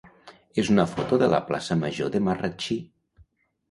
és una foto de la plaça major de Marratxí.